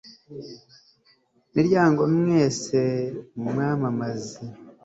miryango mwese, mumwamamaze